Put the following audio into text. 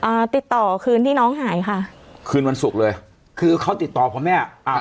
อ่าติดต่อคืนที่น้องหายค่ะคืนวันศุกร์เลยคือเขาติดต่อผมเนี้ยอ่า